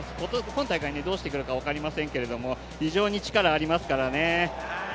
今大会どうしてくるか分かりませんが、非常に力がありますからね。